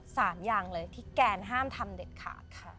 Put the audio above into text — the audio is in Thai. อย่างเลยที่แกนห้ามทำเด็ดขาดค่ะ